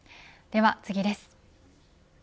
では次です。